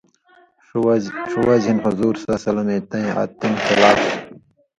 ݜُو وجہۡ ہِن حضورؐ تَیں عادتی نہ خِلاف